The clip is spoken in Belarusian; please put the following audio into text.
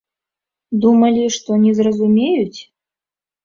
Думалі, што не зразумеюць?